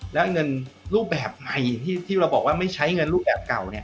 และเงินรูปแบบใหม่ที่เราบอกว่าไม่ใช้เงินรูปแบบเก่า